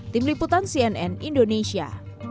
tim liputan cnn indonesia